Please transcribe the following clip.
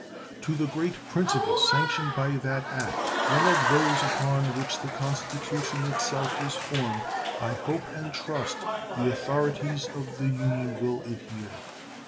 To the great principle sanctioned by that act one of those upon which the Constitution itself was formed I hope and trust the authorities of the Union will adhere.